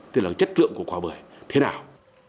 tức là chất lượng của quả bưởi thế nào